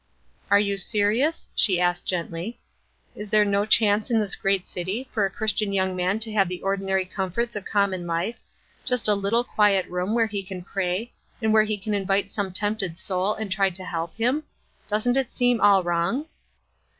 "Are you serious?" she asked, gently. "Is there no chance in this great city for a Christian young man to have the ordinary comforts of common life; just a little quiet room where he can pray, and where he can invite some tempted soul, and try to help him? Doesn't it seem all wrong?"